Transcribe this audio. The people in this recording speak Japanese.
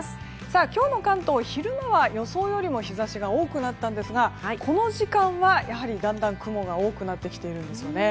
今日の関東昼間は予想よりも日差しが多くなったんですがこの時間はやはりだんだん雲が多くなってきているんですよね。